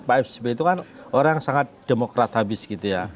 pak sby itu kan orang yang sangat demokrat habis gitu ya